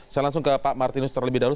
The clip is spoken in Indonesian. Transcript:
saya langsung ke pak martinus terlebih dahulu